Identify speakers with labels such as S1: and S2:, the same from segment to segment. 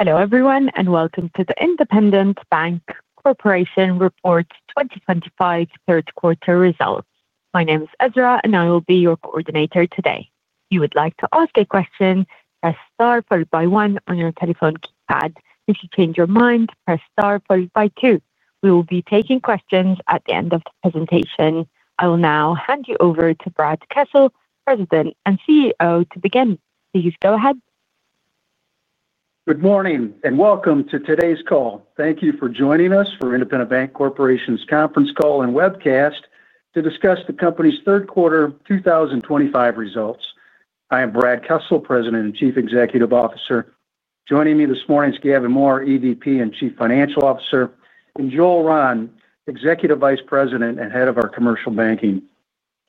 S1: Hello everyone, and welcome to the Independent Bank Corporation Report 2025 Third Quarter Results. My name is Ezra, and I will be your coordinator today. If you would like to ask a question, press star followed by one on your telephone keypad. If you change your mind, press star followed by two. We will be taking questions at the end of the presentation. I will now hand you over to Brad Kessel, President and CEO, to begin. Please go ahead.
S2: Good morning and welcome to today's call. Thank you for joining us for Independent Bank Corporation's conference call and webcast to discuss the company's Third Quarter 2025 results. I am Brad Kessel, President and Chief Executive Officer. Joining me this morning is Gavin Mohr, EVP and Chief Financial Officer, and Joel Rahn, Executive Vice President and Head of our Commercial Banking.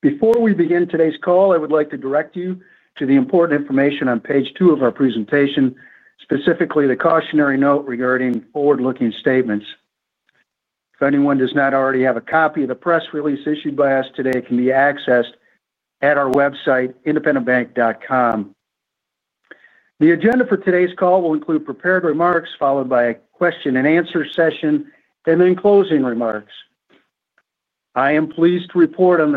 S2: Before we begin today's call, I would like to direct you to the important information on page two of our presentation, specifically the cautionary note regarding forward-looking statements. If anyone does not already have a copy of the press release issued by us today, it can be accessed at our website, independentbank.com. The agenda for today's call will include prepared remarks followed by a question and answer session and then closing remarks. I am pleased to report on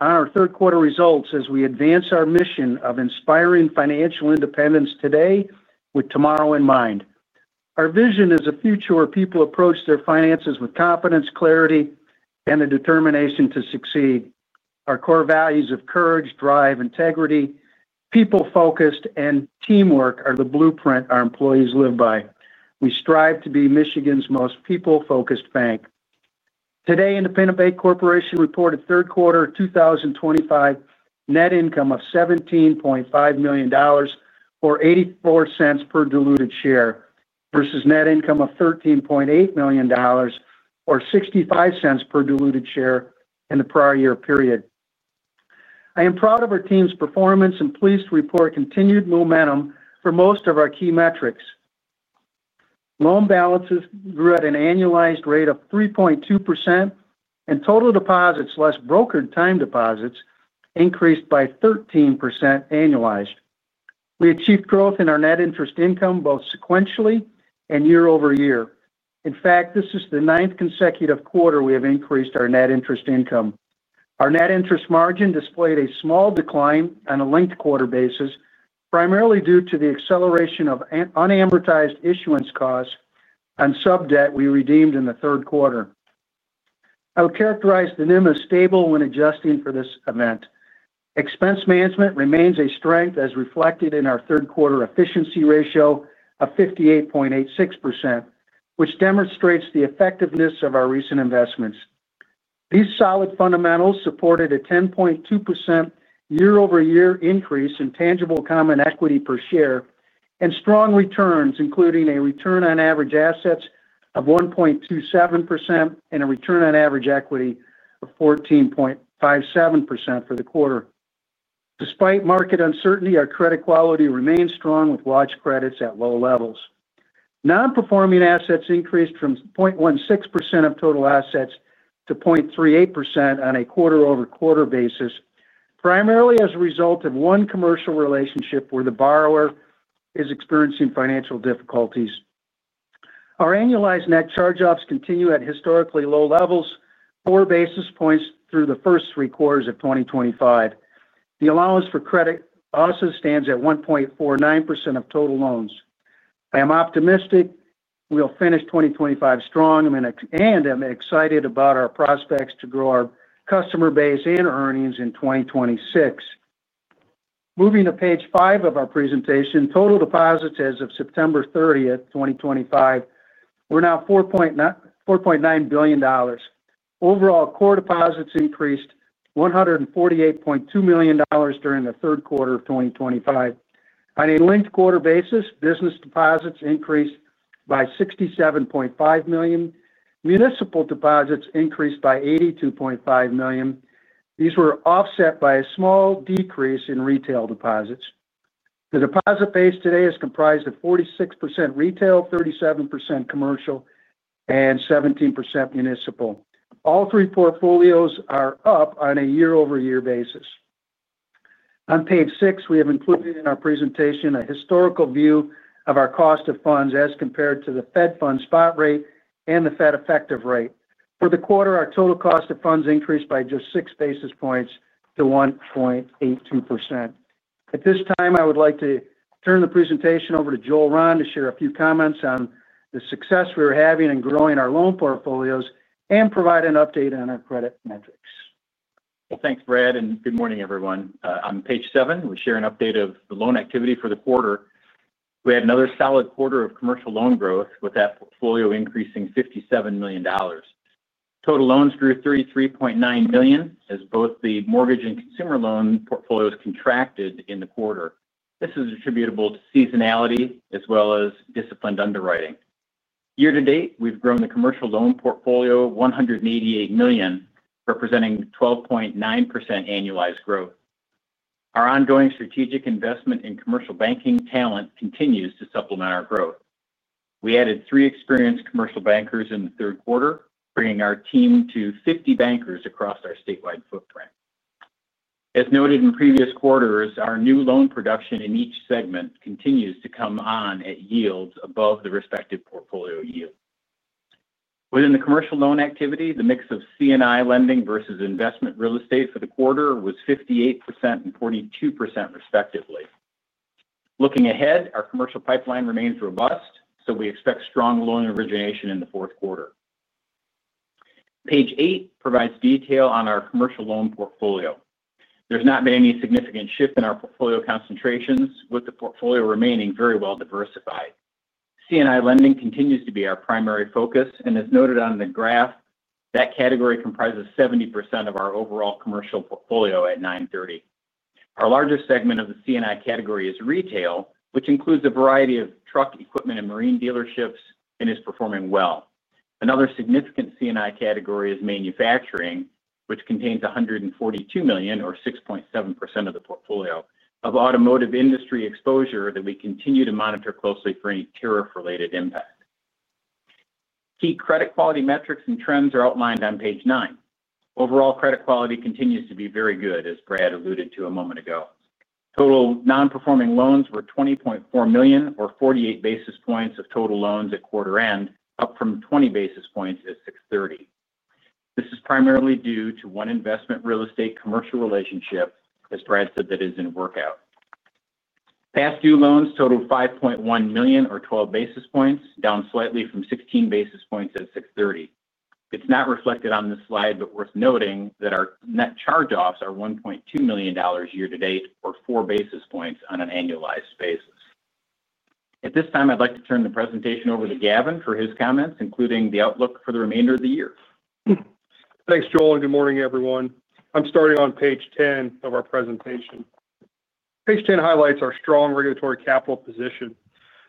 S2: our Third Quarter results as we advance our mission of inspiring financial independence today with tomorrow in mind. Our vision is a future where people approach their finances with confidence, clarity, and a determination to succeed. Our core values of courage, drive, integrity, people-focused, and teamwork are the blueprint our employees live by. We strive to be Michigan's most people-focused bank. Today, Independent Bank Corporation reported Third Quarter 2025 net income of $17.5 million or $0.84 per diluted share versus net income of $13.8 million or $0.65 per diluted share in the prior year period. I am proud of our team's performance and pleased to report continued momentum for most of our key metrics. Loan balances grew at an annualized rate of 3.2% and total deposits, less brokered time deposits, increased by 13% annualized. We achieved growth in our net interest income both sequentially and year-over-year. In fact, this is the ninth consecutive quarter we have increased our net interest income. Our net interest margin displayed a small decline on a linked quarter basis, primarily due to the acceleration of unamortized issuance costs and subordinated debt we redeemed in the third quarter. I would characterize the NIM as stable when adjusting for this event. Expense management remains a strength as reflected in our Third Quarter efficiency ratio of 58.86%, which demonstrates the effectiveness of our recent investments. These solid fundamentals supported a 10.2% year-over-year increase in tangible common equity per share and strong returns, including a return on average assets of 1.27% and a return on average equity of 14.57% for the quarter. Despite market uncertainty, our credit quality remains strong with watch credits at low levels. Non-performing assets increased from 0.16% of total assets to 0.38% on a quarter-over-quarter basis, primarily as a result of one commercial relationship where the borrower is experiencing financial difficulties. Our annualized net charge-offs continue at historically low levels, four basis points through the first three quarters of 2025. The allowance for credit also stands at 1.49% of total loans. I am optimistic we will finish 2025 strong and am excited about our prospects to grow our customer base and earnings in 2026. Moving to page five of our presentation, total deposits as of September 30th, 2025, were now $4.9 billion. Overall, core deposits increased $148.2 million during the third quarter of 2025. On a linked quarter basis, business deposits increased by $67.5 million. Municipal deposits increased by $82.5 million. These were offset by a small decrease in retail deposits. The deposit base today is comprised of 46% retail, 37% commercial, and 17% municipal. All three portfolios are up on a year-over-year basis. On page six, we have included in our presentation a historical view of our cost of funds as compared to the Fed Funds spot rate and the Fed effective rate. For the quarter, our total cost of funds increased by just six basis points to 1.82%. At this time, I would like to turn the presentation over to Joel Rahn to share a few comments on the success we were having in growing our loan portfolios and provide an update on our credit metrics.
S3: Thank you, Brad, and good morning, everyone. On page seven, we share an update of the loan activity for the quarter. We had another solid quarter of commercial loan growth with that portfolio increasing $57 million. Total loans grew $33.9 million as both the mortgage and consumer loan portfolios contracted in the quarter. This is attributable to seasonality as well as disciplined underwriting. Year to date, we've grown the commercial loan portfolio $188 million, representing 12.9% annualized growth. Our ongoing strategic investment in commercial banking talent continues to supplement our growth. We added three experienced commercial bankers in the third quarter, bringing our team to 50 bankers across our statewide footprint. As noted in previous quarters, our new loan production in each segment continues to come on at yields above the respective portfolio yield. Within the commercial loan activity, the mix of C&I lending versus investment real estate for the quarter was 58% and 42% respectively. Looking ahead, our commercial pipeline remains robust, so we expect strong loan origination in the fourth quarter. Page eight provides detail on our commercial loan portfolio. There has not been any significant shift in our portfolio concentrations, with the portfolio remaining very well diversified. C&I lending continues to be our primary focus, and as noted on the graph, that category comprises 70% of our overall commercial portfolio at $930 million. Our largest segment of the C&I category is retail, which includes a variety of truck, equipment, and marine dealerships and is performing well. Another significant C&I category is manufacturing, which contains $142 million or 6.7% of the portfolio of automotive industry exposure that we continue to monitor closely for any tariff-related impact. Key credit quality metrics and trends are outlined on page nine. Overall, credit quality continues to be very good, as Brad alluded to a moment ago. Total non-performing loans were $20.4 million or 48 basis points of total loans at quarter end, up from 20 basis points at June 30. This is primarily due to one investment real estate commercial relationship, as Brad said, that is in workout. Past due loans totaled $5.1 million or 12 basis points, down slightly from 16 basis points at June 30. It is not reflected on this slide, but worth noting that our net charge-offs are $1.2 million year to date or 4 basis points on an annualized basis. At this time, I'd like to turn the presentation over to Gavin for his comments, including the outlook for the remainder of the year.
S4: Thanks, Joel, and good morning, everyone. I'm starting on page 10 of our presentation. Page 10 highlights our strong regulatory capital position.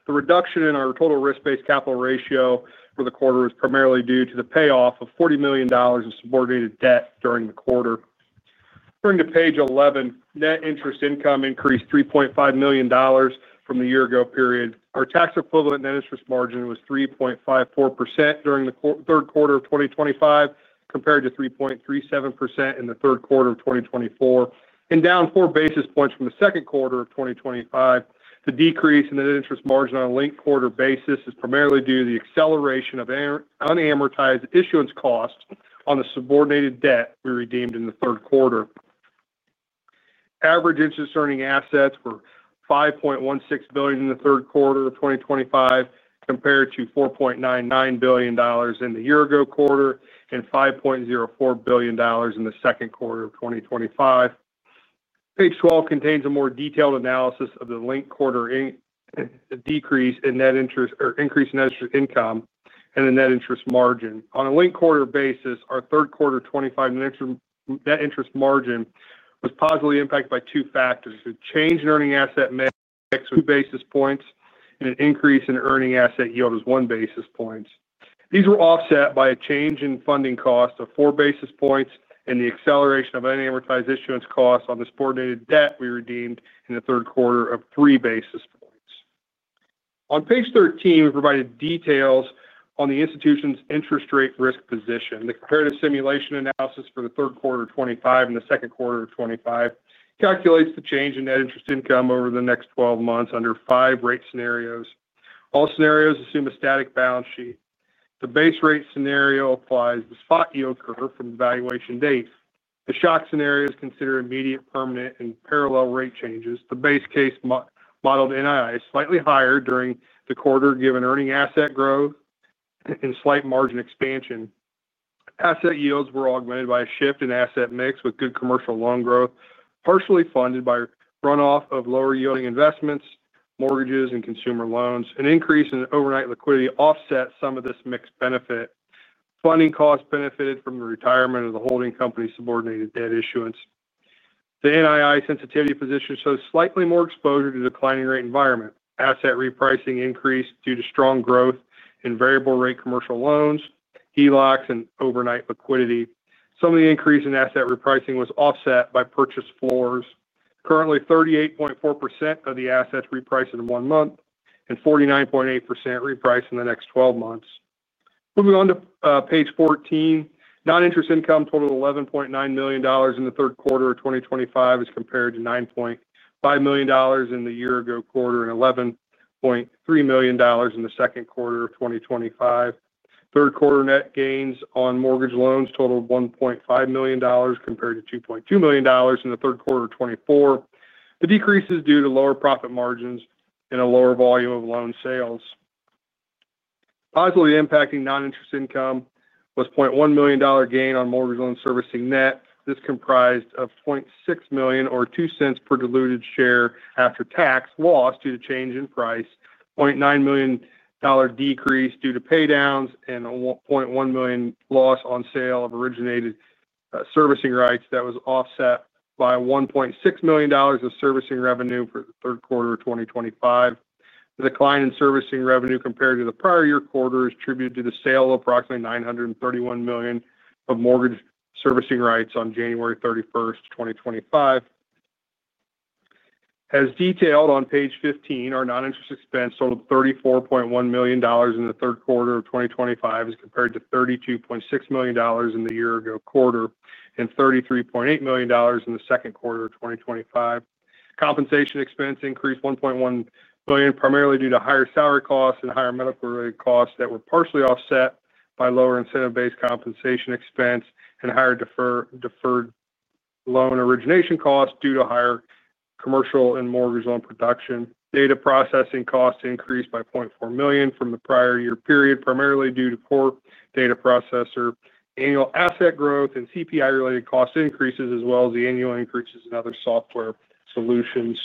S4: The reduction in our total risk-based capital ratio for the quarter is primarily due to the payoff of $40 million of subordinated debt during the quarter. Turning to page 11, net interest income increased $3.5 million from the year-ago period. Our tax equivalent net interest margin was 3.54% during the third quarter of 2025, compared to 3.37% in the third quarter of 2024, and down four basis points from the second quarter of 2025. The decrease in the net interest margin on a linked quarter basis is primarily due to the acceleration of unamortized issuance costs on the subordinated debt we redeemed in the third quarter. Average interest earning assets were $5.16 billion in the third quarter of 2025, compared to $4.99 billion in the year-ago quarter and $5.04 billion in the second quarter of 2025. Page 12 contains a more detailed analysis of the linked quarter decrease in net interest or increase in net interest income and the net interest margin. On a linked quarter basis, our third quarter 2025 net interest margin was positively impacted by two factors. A change in earning asset mix was two basis points, and an increase in earning asset yield was one basis point. These were offset by a change in funding cost of four basis points and the acceleration of unamortized issuance costs on the subordinated debt we redeemed in the third quarter of three basis points. On page 13, we provided details on the institution's interest rate risk position. The comparative simulation analysis for the third quarter of 2025 and the second quarter of 2025 calculates the change in net interest income over the next 12 months under five rate scenarios. All scenarios assume a static balance sheet. The base rate scenario applies the spot yield curve from the valuation date. The shock scenarios consider immediate, permanent, and parallel rate changes. The base case modeled NII is slightly higher during the quarter given earning asset growth and slight margin expansion. Asset yields were augmented by a shift in asset mix with good commercial loan growth partially funded by runoff of lower yielding investments, mortgages, and consumer loans. An increase in overnight liquidity offset some of this mix benefit. Funding costs benefited from the retirement of the holding company's subordinated debt issuance. The NII sensitivity position shows slightly more exposure to the declining rate environment. Asset repricing increased due to strong growth in variable rate commercial loans, HELOCs, and overnight liquidity. Some of the increase in asset repricing was offset by purchased floors. Currently, 38.4% of the assets repriced in one month and 49.8% repriced in the next 12 months. Moving on to page 14, non-interest income totaled $11.9 million in the third quarter of 2025 as compared to $9.5 million in the year-ago quarter and $11.3 million in the second quarter of 2025. Third quarter net gains on mortgage loans totaled $1.5 million compared to $2.2 million in the third quarter of 2024. The decrease is due to lower profit margins and a lower volume of loan sales. Positively impacting non-interest income was a $0.1 million gain on mortgage loan servicing net. This comprised of $0.6 million or $0.02 per diluted share after tax loss due to change in price, $0.9 million decrease due to paydowns, and a $0.1 million loss on sale of originated servicing rights that was offset by $1.6 million of servicing revenue for the third quarter of 2025. The decline in servicing revenue compared to the prior year quarter is attributed to the sale of approximately $931 million of mortgage servicing rights on January 31st, 2025. As detailed on page 15, our non-interest expense totaled $34.1 million in the third quarter of 2025 as compared to $32.6 million in the year-ago quarter and $33.8 million in the second quarter of 2025. Compensation expense increased $1.1 million primarily due to higher salary costs and higher medical-related costs that were partially offset by lower incentive-based compensation expense and higher deferred loan origination costs due to higher commercial and mortgage loan production. Data processing costs increased by $0.4 million from the prior year period primarily due to core data processor, annual asset growth, and CPI-related cost increases, as well as the annual increases in other software solutions.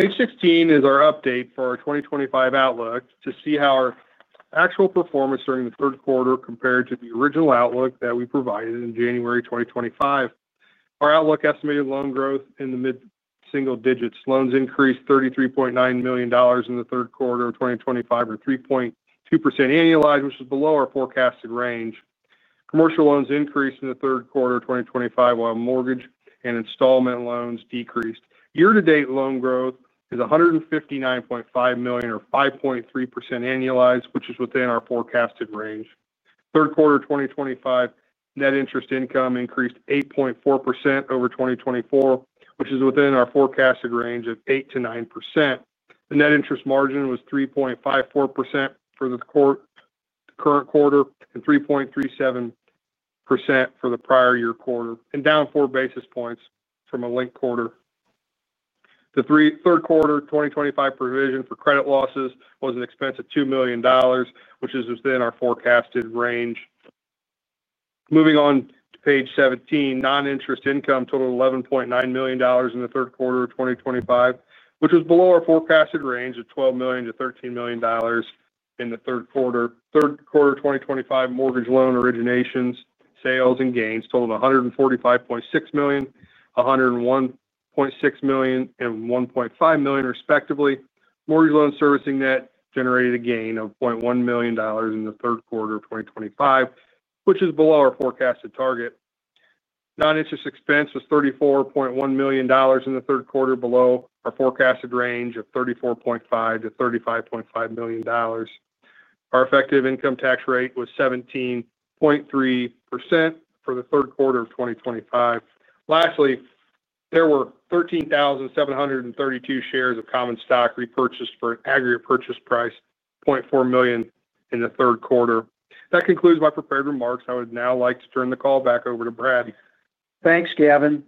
S4: Page 16 is our update for our 2025 outlook to see how our actual performance during the third quarter compared to the original outlook that we provided in January 2025. Our outlook estimated loan growth in the mid-single digits. Loans increased $33.9 million in the third quarter of 2025 or 3.2% annualized, which is below our forecasted range. Commercial loans increased in the third quarter of 2025 while mortgage and installment loans decreased. Year-to-date loan growth is $159.5 million or 5.3% annualized, which is within our forecasted range. Third quarter of 2025, net interest income increased 8.4% over 2024, which is within our forecasted range of 8%-9%. The net interest margin was 3.54% for the current quarter and 3.37% for the prior year quarter, and down four basis points from a linked quarter. The third quarter of 2025 provision for credit losses was an expense of $2 million, which is within our forecasted range. Moving on to page 17, non-interest income totaled $11.9 million in the third quarter of 2025, which was below our forecasted range of $12 million to $13 million in the third quarter. Third quarter of 2025, mortgage loan originations, sales, and gains totaled $145.6 million, $101.6 million, and $1.5 million, respectively. Mortgage loan servicing net generated a gain of $0.1 million in the third quarter of 2025, which is below our forecasted target. Non-interest expense was $34.1 million in the third quarter, below our forecasted range of $34.5 million-$35.5 million. Our effective income tax rate was 17.3% for the third quarter of 2025. Lastly, there were 13,732 shares of common stock repurchased for an aggregate purchase price of $0.4 million in the third quarter. That concludes my prepared remarks. I would now like to turn the call back over to Brad.
S2: Thanks, Gavin.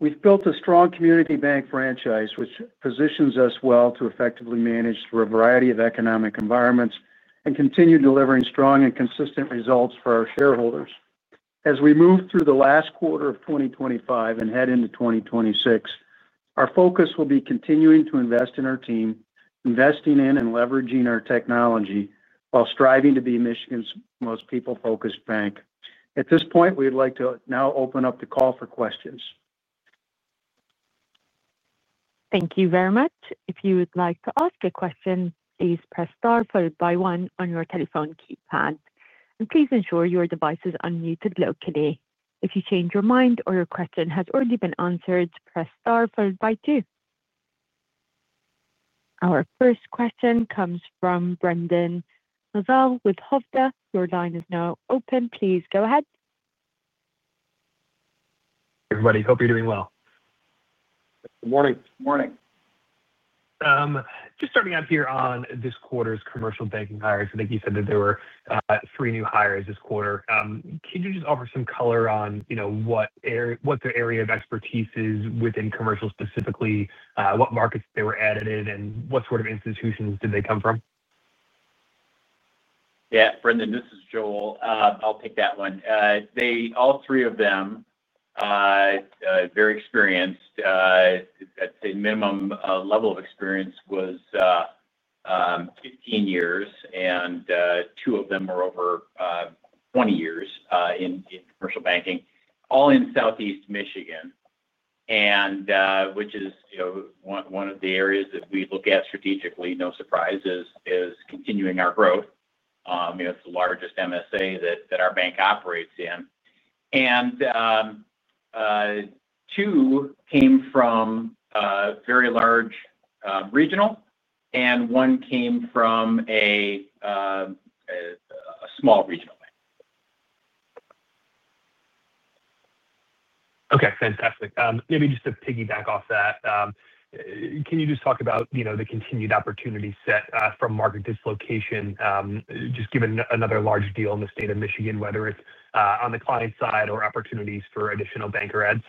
S2: We've built a strong community bank franchise, which positions us well to effectively manage through a variety of economic environments and continue delivering strong and consistent results for our shareholders. As we move through the last quarter of 2025 and head into 2026, our focus will be continuing to invest in our team, investing in and leveraging our technology while striving to be Michigan's most people-focused bank. At this point, we would like to now open up the call for questions.
S1: Thank you very much. If you would like to ask a question, please press star followed by one on your telephone keypad. Please ensure your device is unmuted locally. If you change your mind or your question has already been answered, press star followed by two. Our first question comes from Brendan Nosal with Hovde. Your line is now open. Please go ahead.
S5: Everybody, hope you're doing well.
S4: Morning.
S3: Morning.
S5: Just starting out here on this quarter's commercial banking hires, I think you said that there were three new hires this quarter. Can you offer some color on what their area of expertise is within commercial specifically, what markets they were added in, and what sort of institutions they came from?
S3: Yeah, Brendan, this is Joel. I'll pick that one. All three of them, very experienced. I'd say minimum level of experience was 15 years, and two of them are over 20 years in commercial banking, all in Southeast Michigan, which is, you know, one of the areas that we look at strategically, no surprise, is continuing our growth. It's the largest MSA that our bank operates in. Two came from a very large regional, and one came from a small regional bank.
S5: Okay, fantastic. Maybe just to piggyback off that, can you just talk about the continued opportunity set from market dislocation, just given another large deal in the state of Michigan, whether it's on the client side or opportunities for additional banker ads?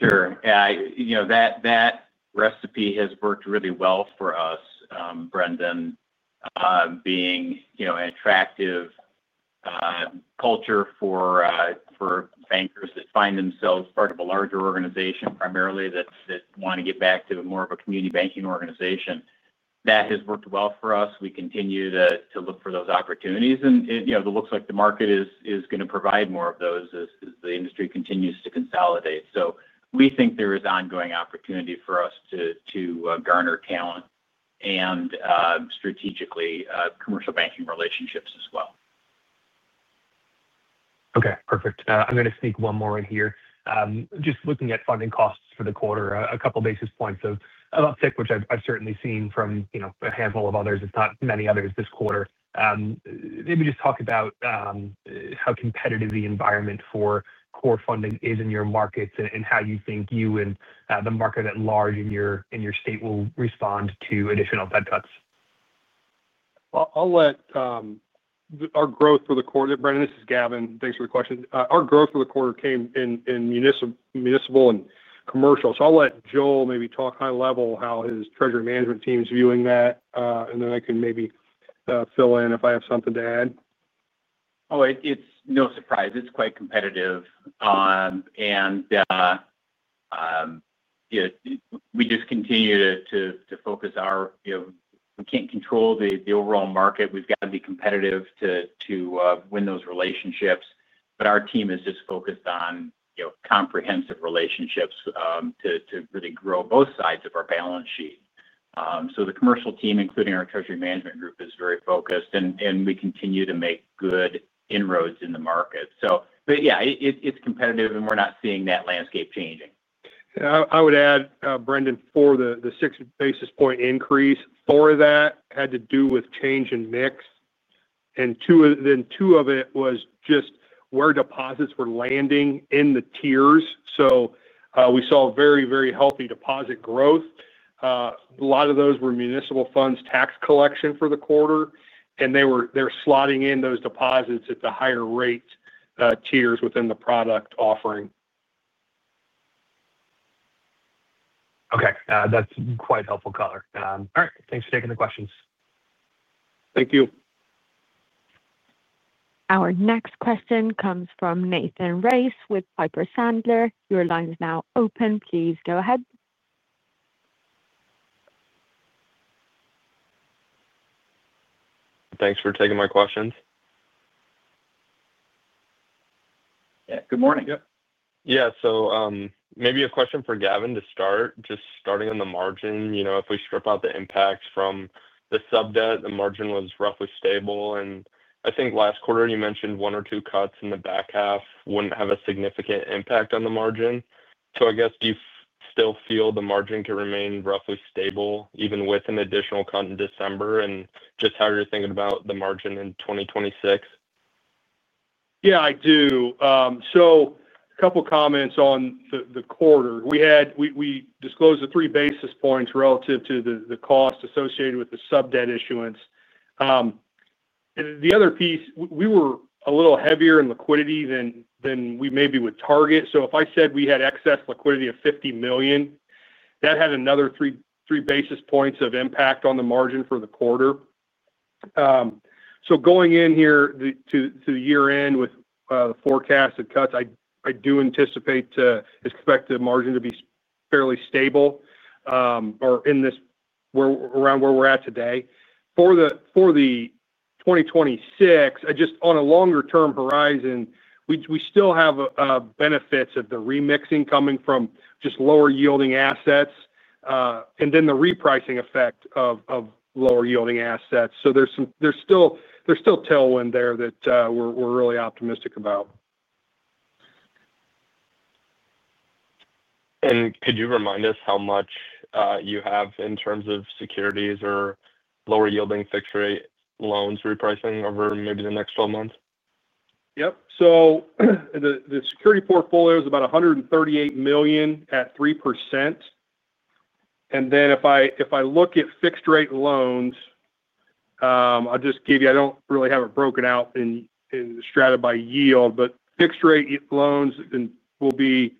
S3: Sure. That recipe has worked really well for us, Brendan, being an attractive culture for bankers that find themselves part of a larger organization, primarily that want to get back to more of a community banking organization. That has worked well for us. We continue to look for those opportunities, and it looks like the market is going to provide more of those as the industry continues to consolidate. We think there is ongoing opportunity for us to garner talent and strategically commercial banking relationships as well.
S5: Okay, perfect. I'm going to sneak one more in here. Just looking at funding costs for the quarter, a couple of basis points of uptick, which I've certainly seen from, you know, a handful of others. It's not many others this quarter. Maybe just talk about how competitive the environment for core funding is in your markets and how you think you and the market at large in your state will respond to additional Fed cuts.
S4: Our growth for the quarter, Brendan, this is Gavin. Thanks for the question. Our growth for the quarter came in municipal and commercial. I'll let Joel maybe talk high level how his Treasury Management team is viewing that, and then I can maybe fill in if I have something to add.
S3: It's no surprise. It's quite competitive. We just continue to focus our, you know, we can't control the overall market. We've got to be competitive to win those relationships. Our team is just focused on, you know, comprehensive relationships to really grow both sides of our balance sheet. The commercial team, including our Treasury Management group, is very focused, and we continue to make good inroads in the market. It's competitive, and we're not seeing that landscape changing.
S4: I would add, Brendan, for the six basis point increase, that had to do with change in mix. Two of it was just where deposits were landing in the tiers. We saw very, very healthy deposit growth. A lot of those were municipal funds tax collection for the quarter, and they were slotting in those deposits at the higher rate tiers within the product offering.
S5: Okay, that's quite helpful color. All right, thanks for taking the questions.
S4: Thank you.
S1: Our next question comes from Nathan Rice with Piper Sandler. Your line is now open. Please go ahead.
S6: Thanks for taking my questions.
S3: Yeah, good morning.
S6: Yeah, so maybe a question for Gavin to start, just starting on the margin. You know, if we strip out the impacts from the sub debt, the margin was roughly stable. I think last quarter you mentioned one or two cuts in the back half wouldn't have a significant impact on the margin. I guess, do you still feel the margin could remain roughly stable even with an additional cut in December? Just how you're thinking about the margin in 2026?
S4: Yeah, I do. A couple of comments on the quarter. We disclosed the 3 basis points relative to the cost associated with the sub debt issuance. The other piece, we were a little heavier in liquidity than we maybe would target. If I said we had excess liquidity of $50 million, that had another 3 basis points of impact on the margin for the quarter. Going in here to the year-end with the forecasted cuts, I do anticipate to expect the margin to be fairly stable or in this where we're at today. For 2026, just on a longer-term horizon, we still have benefits of the remixing coming from just lower yielding assets and then the repricing effect of lower yielding assets. There's still tailwind there that we're really optimistic about.
S6: Could you remind us how much you have in terms of securities or lower yielding fixed-rate loans repricing over maybe the next 12 months?
S4: Yep. The securities portfolio is about $138 million at 3%. If I look at fixed-rate loans, I'll just give you, I don't really have it broken out and stratified by yield, but fixed-rate loans will be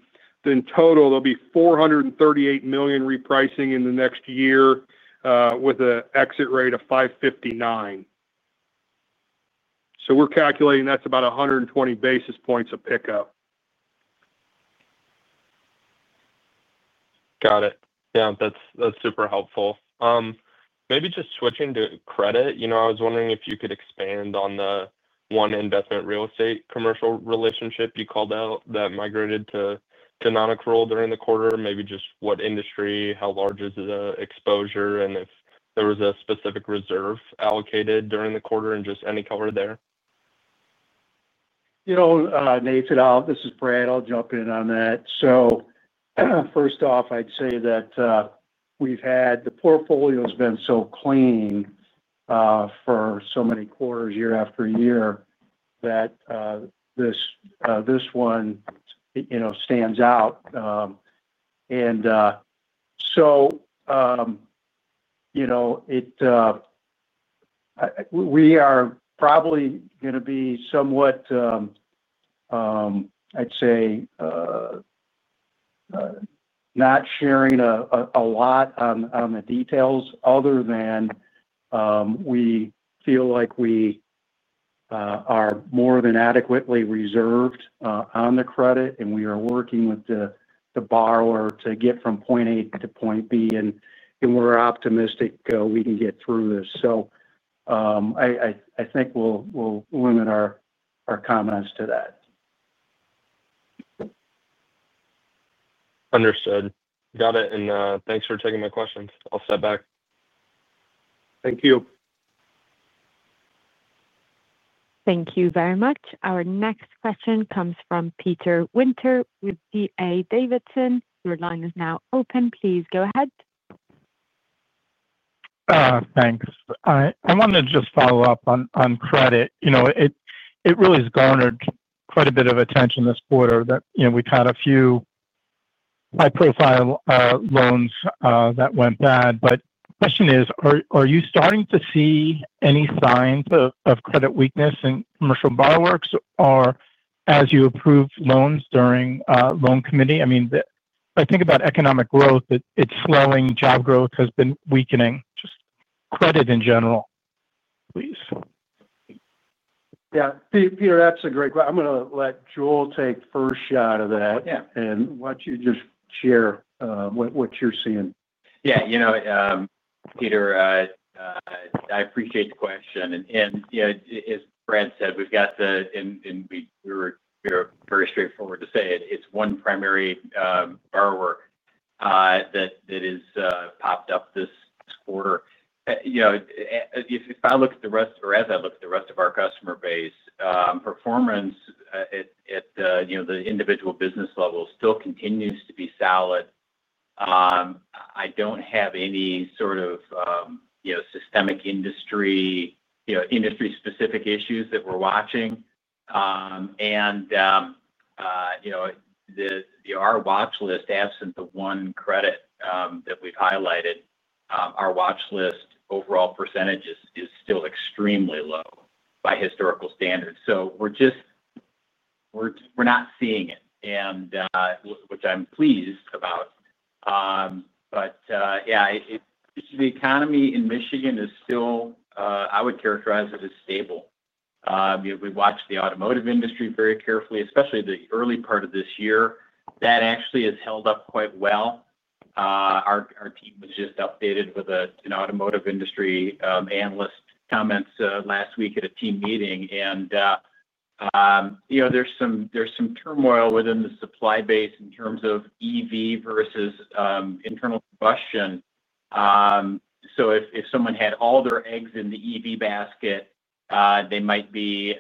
S4: in total, there'll be $438 million repricing in the next year with an exit rate of $559 million. We're calculating that's about 120 basis points of pickup.
S6: Got it. Yeah, that's super helpful. Maybe just switching to credit, I was wondering if you could expand on the one investment real estate commercial relationship you called out that migrated to non-accrual during the quarter. Maybe just what industry, how large is the exposure, and if there was a specific reserve allocated during the quarter and just any color there.
S2: You know, Nathan, this is Brad, I'll jump in on that. First off, I'd say that we've had the portfolio so clean for so many quarters year after year that this one stands out. We are probably going to be somewhat, I'd say, not sharing a lot on the details other than we feel like we are more than adequately reserved on the credit, and we are working with the borrower to get from point A to point B, and we're optimistic we can get through this. I think we'll limit our comments to that.
S6: Understood. Got it. Thanks for taking my questions. I'll step back.
S4: Thank you.
S1: Thank you very much. Our next question comes from Peter Winter with D.A. Davidson. Your line is now open. Please go ahead.
S7: Thanks. I want to just follow up on credit. It really has garnered quite a bit of attention this quarter that we've had a few high-profile loans that went bad. The question is, are you starting to see any signs of credit weakness in commercial borrowers or as you approve loans during loan committee? I think about economic growth, it's slowing. Job growth has been weakening, just credit in general, please.
S2: Yeah. Peter, that's a great question. I'm going to let Joel take the first shot at that and have you just share what you're seeing.
S3: Yeah, you know, Peter, I appreciate the question. As Brad said, we've got the, and we're very straightforward to say it, it's one primary borrower that has popped up this quarter. If I look at the rest, or as I look at the rest of our customer base, performance at the individual business level still continues to be solid. I don't have any sort of, you know, systemic industry, industry-specific issues that we're watching. Our watchlist, absent the one credit that we've highlighted, our watchlist overall percentage is still extremely low by historical standards. We're just, we're not seeing it, which I'm pleased about. The economy in Michigan is still, I would characterize it as stable. We watch the automotive industry very carefully, especially the early part of this year. That actually has held up quite well. Our team was just updated with an automotive industry analyst's comments last week at a team meeting. There's some turmoil within the supply base in terms of EV versus internal combustion. If someone had all their eggs in the EV basket, they might be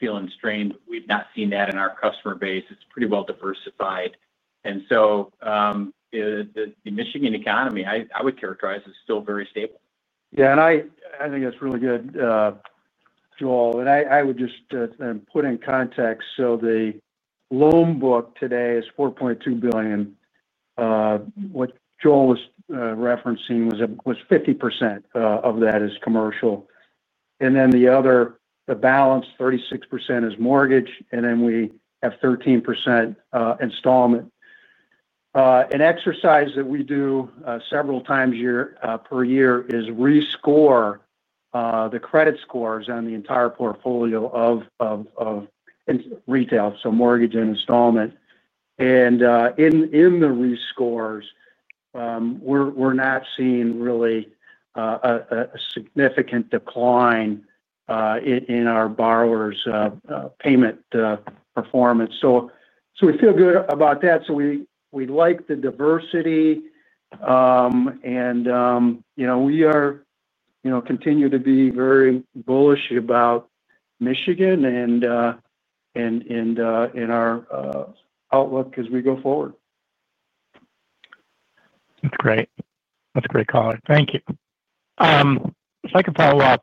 S3: feeling strained. We've not seen that in our customer base. It's pretty well diversified. The Michigan economy, I would characterize as still very stable.
S2: Yeah, and I think that's really good, Joel. I would just put in context, the loan book today is $4.2 billion. What Joel was referencing was 50% of that is commercial. The balance, 36%, is mortgage, and then we have 13% installment. An exercise that we do several times per year is rescore the credit scores on the entire portfolio of retail, so mortgage and installment. In the rescores, we're not seeing really a significant decline in our borrowers' payment performance. We feel good about that. We like the diversity, and we continue to be very bullish about Michigan and in our outlook as we go forward.
S7: That's great. That's a great call. Thank you. If I could follow up,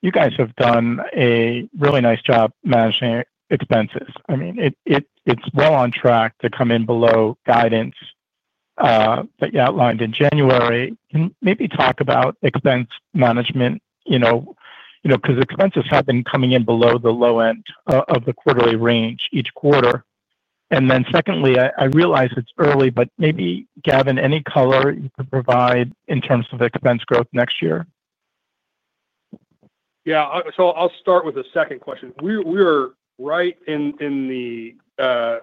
S7: you guys have done a really nice job managing expenses. I mean, it's well on track to come in below guidance that you outlined in January. Can you maybe talk about expense management? You know, because expenses have been coming in below the low end of the quarterly range each quarter. Secondly, I realize it's early, but maybe, Gavin, any color you could provide in terms of expense growth next year?
S4: Yeah, I'll start with the second question. We're right in the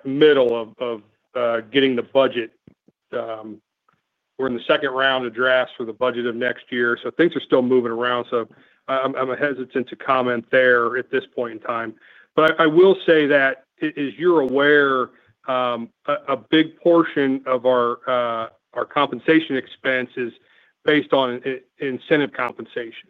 S4: middle of getting the budget. We're in the second round of drafts for the budget of next year, so things are still moving around. I'm hesitant to comment there at this point in time. I will say that, as you're aware, a big portion of our compensation expense is based on incentive compensation.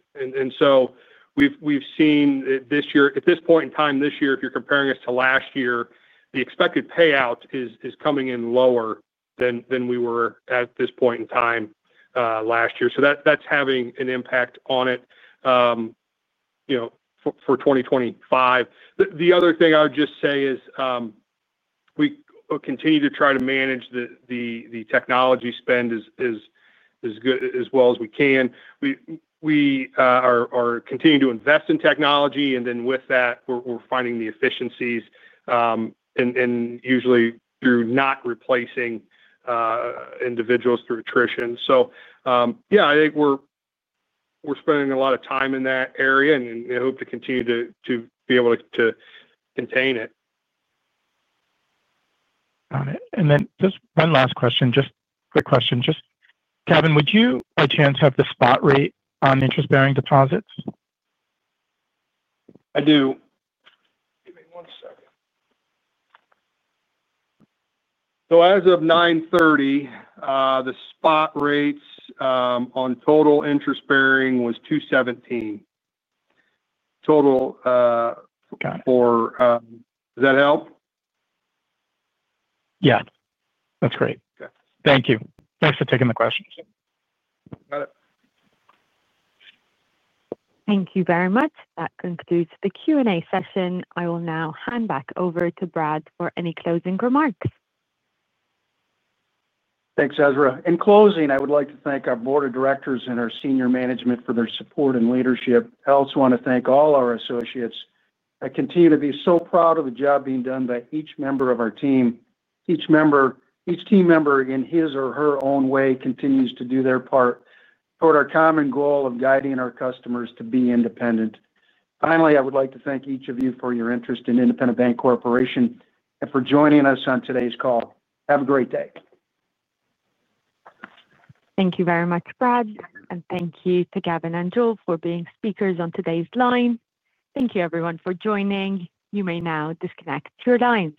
S4: We've seen this year, at this point in time, if you're comparing us to last year, the expected payout is coming in lower than we were at this point in time last year. That's having an impact on it for 2025. The other thing I would just say is we continue to try to manage the technology spend as well as we can. We are continuing to invest in technology, and with that, we're finding the efficiencies, usually through not replacing individuals through attrition. I think we're spending a lot of time in that area, and I hope to continue to be able to contain it.
S7: Got it. Just one last question, just a quick question. Gavin, would you by chance have the spot rate on interest-bearing deposits?
S4: I do. Give me one second. As of 9:30 A.M., the spot rates on total interest-bearing was 2.17%. Total.
S7: Got it.
S4: Does that help?
S7: Yeah, that's great.
S4: Okay.
S7: Thank you. Thanks for taking the questions.
S4: Got it.
S1: Thank you very much. That concludes the Q&A session. I will now hand back over to Brad Kessel for any closing remarks.
S2: Thanks, Ezra. In closing, I would like to thank our Board of Directors and our senior management for their support and leadership. I also want to thank all our associates. I continue to be so proud of the job being done by each member of our team. Each team member, in his or her own way, continues to do their part toward our common goal of guiding our customers to be independent. Finally, I would like to thank each of you for your interest in Independent Bank Corporation and for joining us on today's call. Have a great day.
S1: Thank you very much, Brad, and thank you to Gavin and Joel for being speakers on today's line. Thank you, everyone, for joining. You may now disconnect your line.